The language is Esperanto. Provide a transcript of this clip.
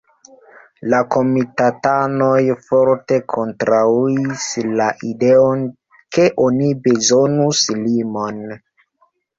La komitatanoj forte kontraŭis la ideon ke oni bezonus limon.